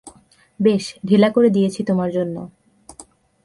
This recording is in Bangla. বেশ, ঢিলা করে দিয়েছি তোমার জন্য।